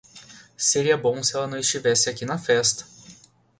Seria bom se ela não estivesse aqui na festa!